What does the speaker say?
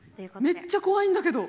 めっちゃ怖いんだけど。